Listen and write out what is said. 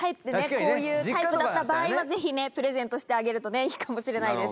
こういうタイプだった場合はぜひねプレゼントしてあげるとねいいかもしれないです。